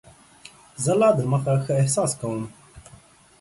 زه لا دمخه ښه احساس کوم.